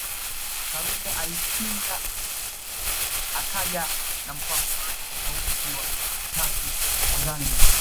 Karume alipinga akaja na mpango wake tofauti wa miaka mitatu kwa Zanzibar